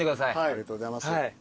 ありがとうございます。